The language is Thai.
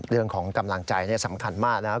เรื่องของกำลังใจสำคัญมากนะครับ